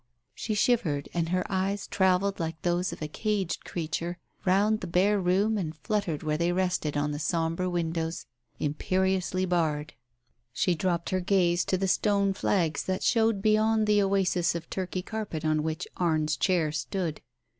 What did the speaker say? " She shivered and her eyes travelled like those of a caged creature round the bare room and fluttered when they rested on the sombre windows imperiously barred. She dropped her gaze to the stone flags that Digitized by Google 128 TALES OF THE UNEASY showed beyond the oasis of Turkey carpet on which Arne's chair stood. ...